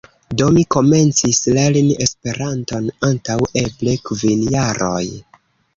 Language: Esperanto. Do mi komencis lerni Esperanton antaŭ eble kvin jaroj.